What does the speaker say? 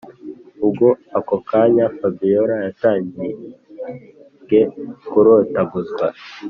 ubwo ako kanya fabiora yatangige kurotaguzwa